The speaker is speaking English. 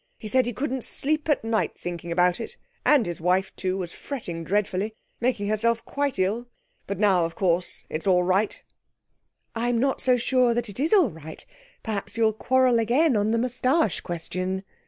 He said he couldn't sleep at night thinking about it; and his wife, too, was fretting dreadfully, making herself quite ill. But now, of course, it is all right.' 'I am not so sure that it is all right; perhaps you will quarrel again on the moustache question.'